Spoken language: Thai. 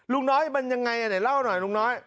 ลุงน้อยมันยังไงไหนเล่าหน่อยลุงน้อย